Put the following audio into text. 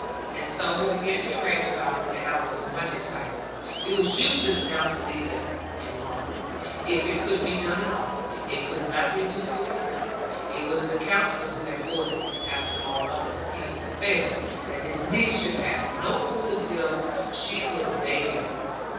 And so we began to arrange about it; and I was much excited. It was useless now to leave it longer; if it could be done at all, it could not be too quickly done. It was the Counsellor who had ordered, after all other schemes had failed, that his niece should have no food until she would obey him.